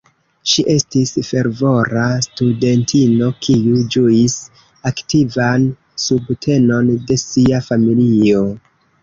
Ŝi estis fervora studentino kiu ĝuis aktivan subtenon de sia familio.